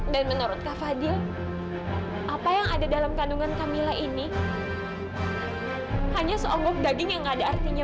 dan menurut kafadil apa yang ada dalam kandungan kamila ini hanya seonggok daging yang ada artinya